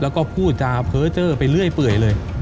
แล้วก็พูดจาเพ้อเจอร์ไปเรื่อยเปื่อยเลย